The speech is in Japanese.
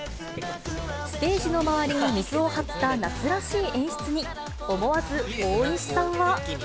ステージの周りに水を張った夏らしい演出に、思わず大西さんは。